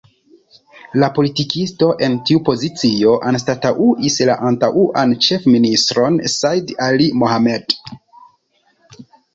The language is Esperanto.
La politikisto en tiu pozicio anstataŭis la antaŭan ĉefministron Said Ali Mohamed.